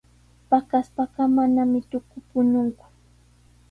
Paqaspaqa manami tuku puñunku.